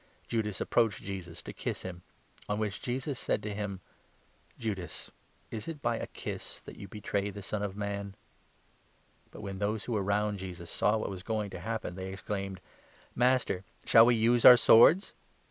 Judas approached Jesus, to kiss him ; on which Jesus said to him : 48 "Judas, is it by a kiss that you betray the Son of Man ?" But when those who were round Jesus saw what was going to 49 happen, they exclaimed :" Master, shall we use our swords